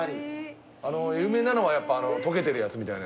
有名なのはやっぱあの溶けてるやつみたいな。